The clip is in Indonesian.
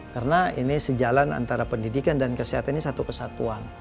karena ini sejalan antara pendidikan dan kesehatan ini satu kesatuan